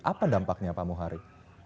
apa dampaknya pak muhari